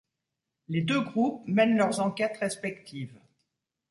Les deux groupes mènent leurs enquêtes respectives.